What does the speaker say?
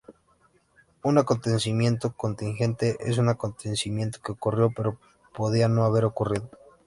Un acontecimiento contingente es un acontecimiento que ocurrió pero podía no haber ocurrido.